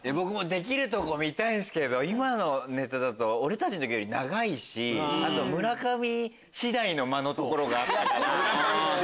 できるとこ見たいんすけど今のネタだと俺たちの時より長いしあと村上次第の間のところがあったから。